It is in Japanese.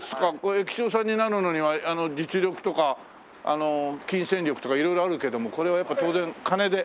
駅長さんになるのには実力とか金銭力とか色々あるけどもこれはやっぱ当然金で？